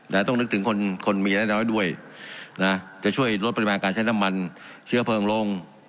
ต้องนึกถึงคนคนมีน้อยด้วยนะจะช่วยลดปริมาณการใช้น้ำมันเชื้อเพลิงลง